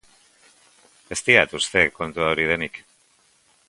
Ez diat uste kontua hori denik.